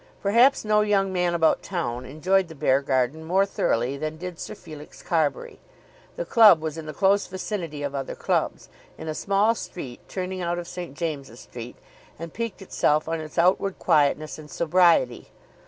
Perhaps no young man about town enjoyed the Beargarden more thoroughly than did Sir Felix Carbury. The club was in the close vicinity of other clubs, in a small street turning out of St. James's Street, and piqued itself on its outward quietness and sobriety.